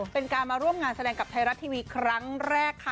เป็นการมาร่วมงานแสดงกับไทยรัฐทีวีครั้งแรกค่ะ